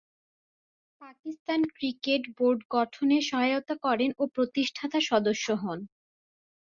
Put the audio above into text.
Pakistan cricket board গঠনে সহায়তা করেন ও প্রতিষ্ঠাতা সদস্য হন।